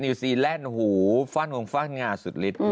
นิวซีแลนด์โหฟั่นงงฟั่นง่าสุดลิด